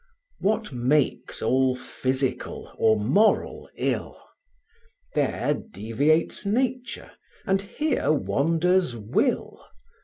What makes all physical or moral ill? There deviates Nature, and here wanders will.